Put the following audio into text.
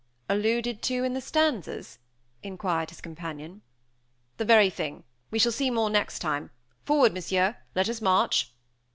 "Alluded to in the stanzas?" inquired his companion. "The very thing. We shall see more next time. Forward, Monsieur; let us march."